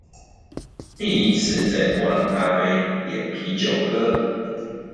第一次在伯朗咖啡點啤酒喝